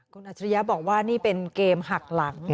คุณอัจฉริยะบอกว่านี่เป็นเกมหักหลัง